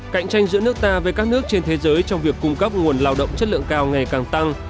cạnh tranh giữa nước ta với các nước trên thế giới trong việc cung cấp nguồn lao động chất lượng cao ngày càng tăng